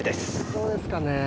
どうですかね。